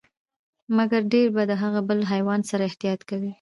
مګر ډیر به د هغه بل حیوان سره احتياط کوئ،